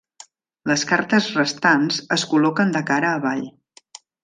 Les cartes restants es col·loquen de cara avall.